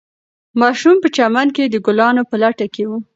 ماشوم په چمن کې د ګلانو په لټه کې و.